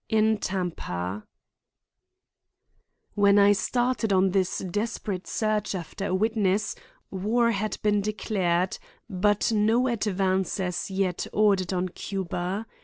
IN TAMPA When I started on this desperate search after a witness, war had been declared, but no advance as yet ordered on Cuba.